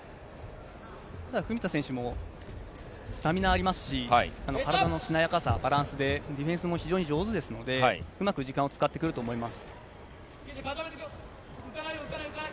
文田選手もスタミナがありますし、体のしなやかさ、バランス、ディフェンスも非常に上手ですので、うまく時間を使ってくると思います。